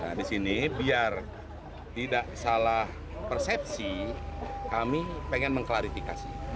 nah disini biar tidak salah persepsi kami pengen mengklarifikasi